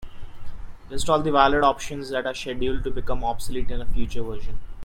List all the valid options that are scheduled to become obsolete in a future version.